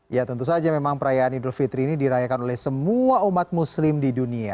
ya tentu saja memang perayaan idul fitri ini dirayakan oleh semua umat muslim di dunia